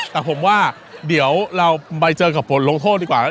แต่ผมว่าเดี๋ยวเราไปเจอกับผลลงโทษดีกว่า